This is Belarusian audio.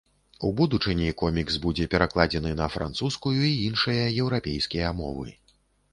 У будучыні комікс будзе перакладзены на французскую і іншыя еўрапейскія мовы.